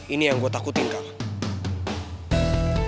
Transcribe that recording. ini yang gue takutin kang